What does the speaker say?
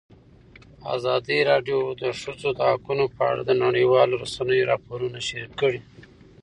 ازادي راډیو د د ښځو حقونه په اړه د نړیوالو رسنیو راپورونه شریک کړي.